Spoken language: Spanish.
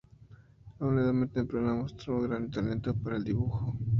A una edad muy temprana, mostró gran talento para el dibujo.